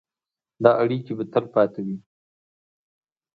دا اړیکې به تلپاتې وي.